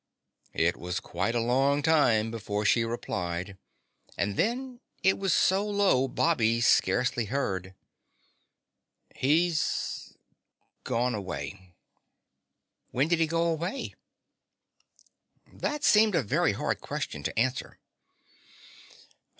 It was quite a long time before she replied and then it was so low Bobby scarcely heard. "He's gone away." "When did he go away?" That seemed a very hard question to answer.